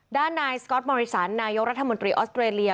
ด้านนายสก๊อตมอริสันนายกรัฐมนตรีออสเตรเลีย